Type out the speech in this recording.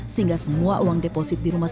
sehingga semua uang deposit dirumahnya